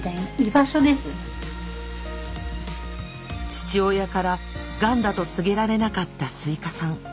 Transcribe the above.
父親からがんだと告げられなかったスイカさん。